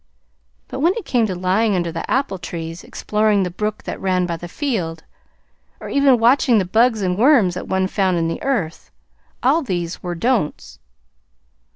But when it came to lying under the apple trees, exploring the brook that ran by the field, or even watching the bugs and worms that one found in the earth all these were "don'ts."